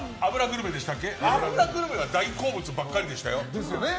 脂グルメは大好物ばかりでしたよ。